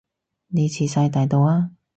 你遲哂大到啊